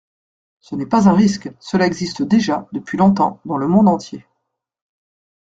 Ce n’est pas un risque : cela existe déjà, depuis longtemps, dans le monde entier.